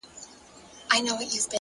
نیک اخلاق خاموش عزت زېږوي.!